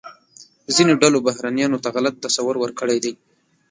ځینو ډلو بهرنیانو ته غلط تصور ورکړی دی.